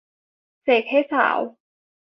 เสกให้สาว